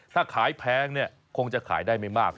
ถ้าขายแพงเนี่ยคงจะขายได้ไม่มาก